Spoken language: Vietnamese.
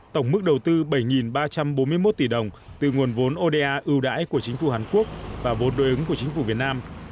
tổng mức đầu tư bảy ba trăm bốn mươi một tỷ đồng từ nguồn vốn oda ưu đãi của chính phủ hàn quốc và vốn đối ứng của chính phủ việt nam